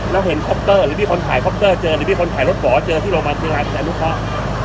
แล้วเห็นคอปเตอร์หรือมีคนถ่ายคอปเตอร์เจอหรือมีคนขายรถบอกว่าเจอที่โรงพยาบาลเชียงรายนุเคราะห์